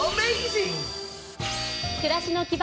暮らしの基盤